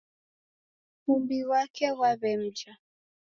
Mumbi ghwake ghwaw'emja